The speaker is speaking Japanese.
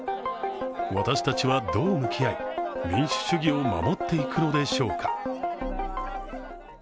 私たちは、どう向き合い、民主主義を守っていくのでしょうか。